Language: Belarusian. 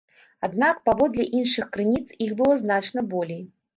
Аднак, паводле іншых крыніц, іх было значна болей.